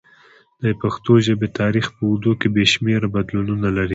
د پښتو ژبې تاریخ په اوږدو کې بې شمېره بدلونونه لري.